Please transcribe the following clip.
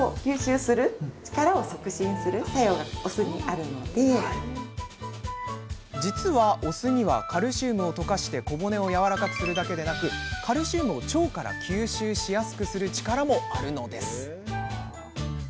あとは実はお酢にはカルシウムを溶かして小骨をやわらかくするだけでなくカルシウムを腸から吸収しやすくする力もあるのです。